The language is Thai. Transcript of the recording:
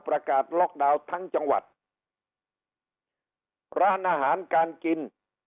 ประกาศล็อกดาวน์ทั้งจังหวัดร้านอาหารการกิน